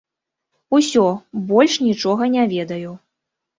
Усё, больш нічога не ведаю.